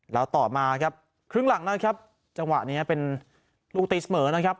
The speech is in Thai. แล้วต่อมาครับครึ่งหลังนะครับจังหวะนี้เป็นลูกตีเสมอนะครับ